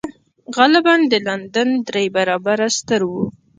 غالباً د لندن درې برابره ستر و